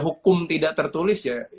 hukum tidak tertulis ya